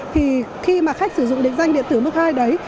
thì khi mà khách sử dụng định danh điện tử mức hai đấy